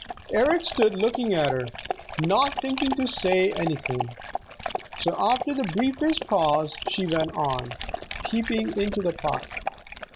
Eric stood looking at her, not thinking to say anything. So after the briefest pause she went on, peeping into the pot.